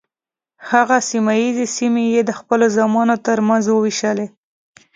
هغه سیمه ییزې سیمې یې د خپلو زامنو تر منځ وویشلې.